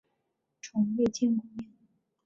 从未见过面